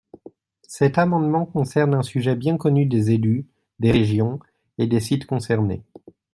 Cet amendement concerne un sujet bien connu des élus des régions et des sites concernés.